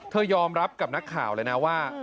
ยอมรับกับนักข่าวเลยนะว่า